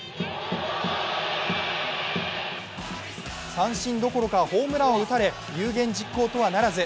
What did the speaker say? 三振どころか、ホームランを打たれ有言実行とはならず。